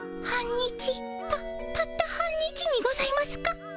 たたった半日にございますか？